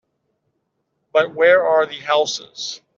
But where are the houses?